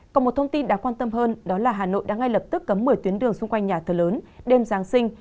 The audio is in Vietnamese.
còn một thông tin đáng quan tâm hơn đó là hà nội đã ngay lập tức cấm một mươi tuyến đường xung quanh nhà thờ lớn đêm giáng sinh